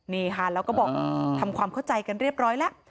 นี่ค่ะแล้วก็บอกทำความเข้าใจกันเรียบร้อยแล้ว